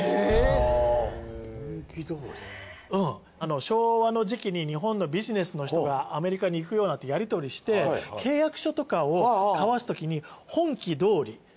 うん昭和の時期に日本のビジネスの人がアメリカに行くようになってやりとりして契約書とかを交わすときに本記通り。